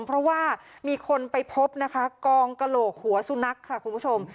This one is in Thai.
เพราะว่ามีคนไปพบนะคะกองกระโหลกหัวสุนัขค่ะคุณผู้ชม